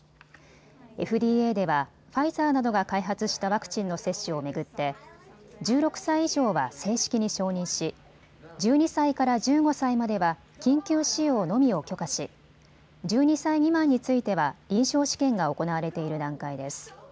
ＦＤＡではファイザーなどが開発したワクチンの接種を巡って１６歳以上は正式に承認し１２歳から１５歳までは緊急使用のみを許可し、１２歳未満については臨床試験が行われている段階です。